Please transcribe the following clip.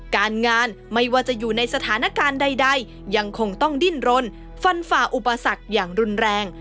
การงานไม่ว่าจะอยู่ในสถานการณ์ใดยังคงต้องดิ้นรนฟันฝ่าอุปสรรคอย่างรุนแรง